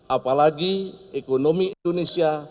apalagi ekonomi indonesia